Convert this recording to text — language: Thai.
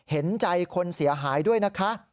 เห็นใจคนเสียหายด้วยนะคะ